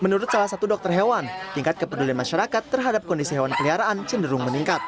menurut salah satu dokter hewan tingkat kepedulian masyarakat terhadap kondisi hewan peliharaan cenderung meningkat